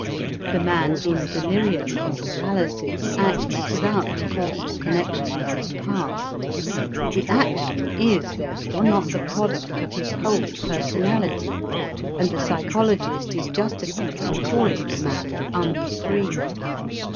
The man in delirium or paralysis acts without causal connection with his past; the action is, therefore, not the product of his whole personality, and the psychologist is justified in calling the man unfree.